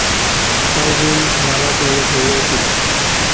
খাল বিল নালা জলে ভরিয়া উঠিল।